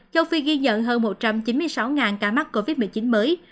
châu phi ghi nhận hơn một trăm chín mươi sáu ca mắc covid một mươi chín mới